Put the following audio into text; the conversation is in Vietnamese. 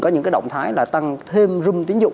có những cái động thái là tăng thêm rung tín dụng